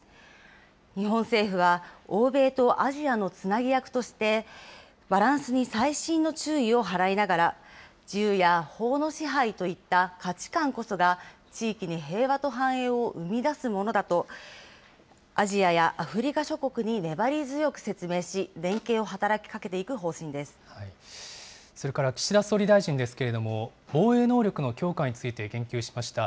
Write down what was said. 日本政府は、欧米とアジアのつなぎ役として、バランスに細心の注意を払いながら、自由や法の支配といった価値観こそが、地域に平和と繁栄を生み出すものだと、アジアやアフリカ諸国に粘り強く説明し、連携を働きかけていく方それから岸田総理大臣ですけれども、防衛能力の強化について言及しました。